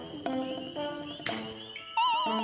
aku juga nggak tau